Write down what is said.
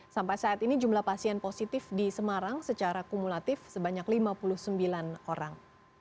sampai saat ini jumlah pasien positif di semarang secara kumulatif sebanyak lima puluh sembilan orang